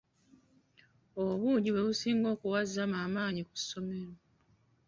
Obuugi bwe businga okuwa Zama amaanyi ku ssomero.